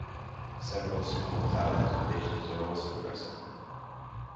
Several smaller towers and dishes are also present.